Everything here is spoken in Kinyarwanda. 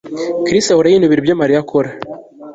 Chris ahora yinubira ibyo Mariya akora